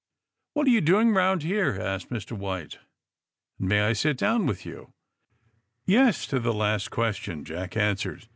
*^What are you doing around here?" asked Mr. White. *^And may I sit down with you?" Yes, to the last question," Jack answered.